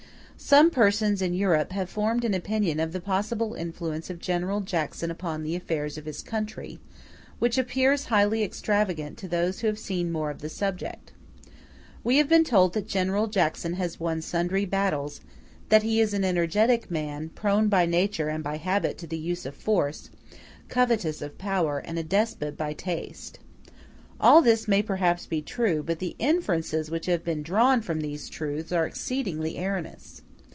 Some persons in Europe have formed an opinion of the possible influence of General Jackson upon the affairs of his country, which appears highly extravagant to those who have seen more of the subject. We have been told that General Jackson has won sundry battles, that he is an energetic man, prone by nature and by habit to the use of force, covetous of power, and a despot by taste. All this may perhaps be true; but the inferences which have been drawn from these truths are exceedingly erroneous.